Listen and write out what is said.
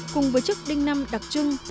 cùng với chức đinh năm đặc trưng